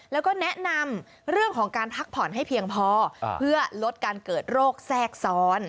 แล้วก็แนะนำเรื่องของการพักผ่อนให้เพียงพอเพื่อลดการเกิดโรคแทรกซ้อน